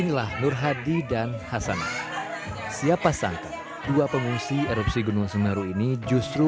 inilah nur hadi dan hasanah siapa sangka dua pengungsi erupsi gunung semeru ini justru